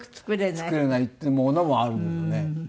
作れないというものもあるんでね。